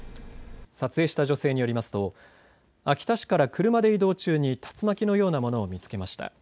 撮影した女性によりますと秋田市から車で移動中に竜巻のようなものを見つけました。